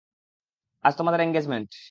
আজ তোমাদের এনগেজমেন্ট।